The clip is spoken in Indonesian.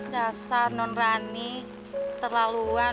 dasar non rani terlaluan